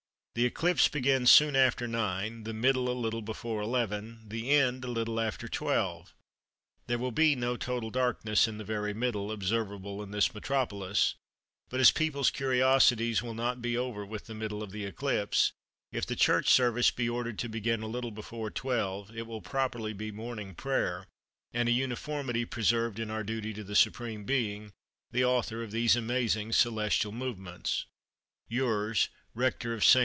The eclipse begins soon after 9, the middle a little before 11, the end a little after 12. There will be no total darkness in the very middle, observable in this metropolis, but as people's curiositys will not be over with the middle of the eclipse, if the church service be ordered to begin a little before 12, it will properly be morning prayer, and an uniformity preserved in our duty to the Supreme Being, the author of these amazing celestial movements,— Yours, RECTOR OF ST.